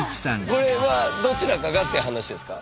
これはどちらかがって話ですか？